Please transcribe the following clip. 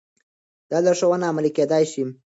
دا لارښوونه عملي کېدای شي.